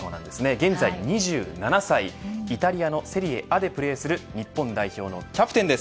現在２７歳イタリアのセリエＡでプレーする日本プレー代表のキャプテンです。